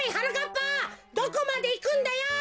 ぱどこまでいくんだよ！